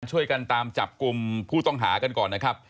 ช่วยกันตามจับกลุ่มผู้ต้องหากันก่อนนะครับ